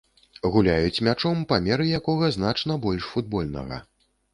Гуляюць мячом, памеры якога значна больш футбольнага.